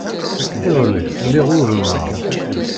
Iḍelli, lliɣ uḍneɣ.